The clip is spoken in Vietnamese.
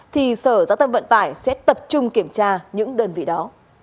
thì sở giao thông vận tải sẽ tập trung kiểm tra những đơn vị đó